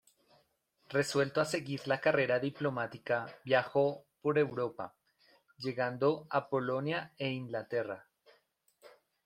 Resuelto a seguir la carrera diplomática viajó por Europa, llegando a Polonia e Inglaterra.